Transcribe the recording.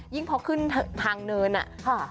ยิ่งพอขึ้นทางเดินอ่ะ